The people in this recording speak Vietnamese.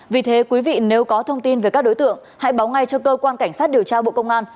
vì thế quý vị nếu có thông tin về các đối tượng hãy báo ngay cho cơ quan cảnh sát điều tra bộ công an